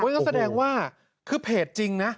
ก็แสดงว่าคือเพจจริงนะ